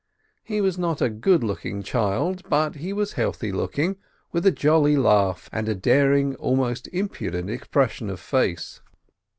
He was not a good looking child, but he was healthy looking, with a jolly laugh, and a daring, almost impudent expression of face.